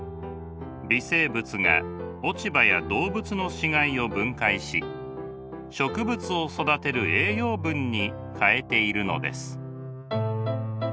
微生物が落葉や動物の死骸を分解し植物を育てる栄養分に変えているのです。